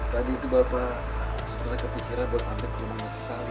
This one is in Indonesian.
tadi itu bapak sebenernya kepikiran buat ambil ke rumah nusy salim